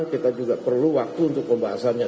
kita juga perlu waktu untuk pembahasannya